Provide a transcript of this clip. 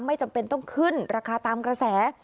จำเป็นต้องขึ้นราคาตามกระแส